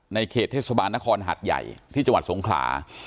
เขตเทศบาลนครหัดใหญ่ที่จังหวัดสงขลา